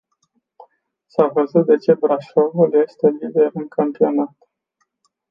S-a văzut de ce Brașovul este lider în campionat.